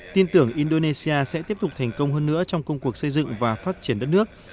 tin tưởng indonesia sẽ tiếp tục thành công hơn nữa trong công cuộc xây dựng và phát triển đất nước